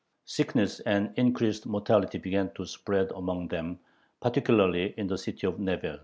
Sickness and increased mortality began to spread among them, particularly in the city of Nevel.